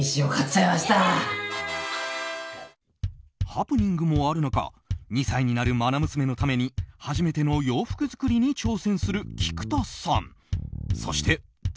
ハプニングもある中２歳になる愛娘のために初めての洋服作りに挑戦する菊田さん。